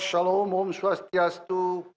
shalom umum swastiastu